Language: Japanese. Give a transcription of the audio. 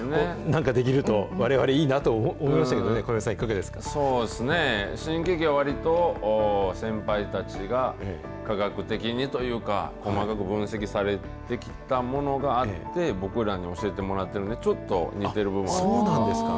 なんかできると、われわれいいなと思いましたけどね、小籔さそうですね、新喜劇はわりと先輩たちが科学的にというか、細かく分析されてきたものがあって、僕らに教えてもらってるんで、ちょっと似てる部分がありますね。